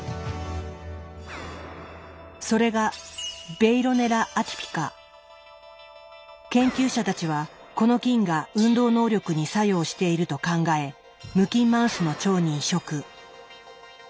それが研究者たちはこの菌が運動能力に作用していると考え無菌マウスの腸に移植。